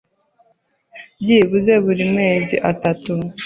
Byibuze buri mezi atatu